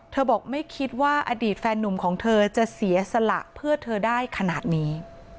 บอกไม่คิดว่าอดีตแฟนนุ่มของเธอจะเสียสละเพื่อเธอได้ขนาดนี้